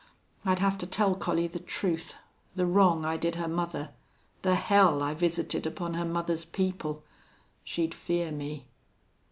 I'd have to tell Collie the truth the wrong I did her mother the hell I visited upon her mother's people.... She'd fear me."